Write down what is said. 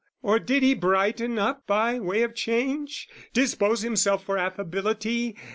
Or did he brighten up by way of change? Dispose himself for affability?